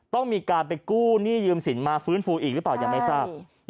ต้องมีการไปกู้หนี้ยืมสินมาฟื้นฟูอีกหรือเปล่ายังไม่ทราบ